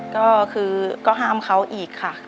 ก็คือก็ห้ามเขาอีกค่ะ